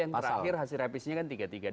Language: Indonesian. yang terakhir hasil revisenya kan tiga puluh tiga